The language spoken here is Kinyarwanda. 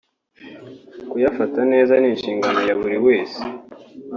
kuyafata neza ni inshingano ya buri wese